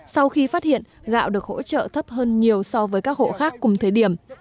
sau khi phát hiện gạo được hỗ trợ thấp hơn nhiều so với các hộ khác cùng thời điểm